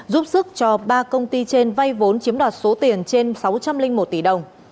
giúp sức cho ba công ty trên vay vốn chiếm đoạt số tiền trên sáu trăm linh một tỷ đồng